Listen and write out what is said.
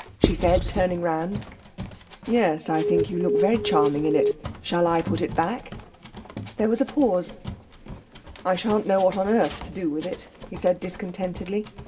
she said, turning round. 'Yes, I think you look very charming in it. Shall I put it back?' There was a pause. 'I sha'n't know what on earth to do with it,' he said discontentedly.